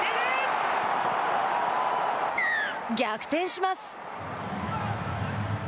逆転します。